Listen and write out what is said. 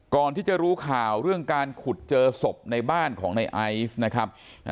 ก่อนที่จะรู้ข่าวเรื่องการขุดเจอศพในบ้านของในไอซ์นะครับ